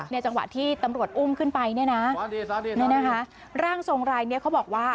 ในจังหวะที่ตำรวจอุ้มขึ้นไปเนี่ยนะร่างทรงรายเขาบอกว่า